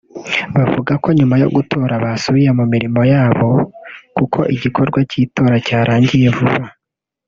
bavuga ko nyuma yo gutora basubiye mu mirimo ya bo kuko igikorwa cy’itora cyarangiye vuba